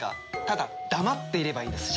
ただ黙っていればいいんです。